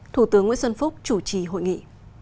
thủ tướng nguyễn xuân phúc chủ trì hội nghị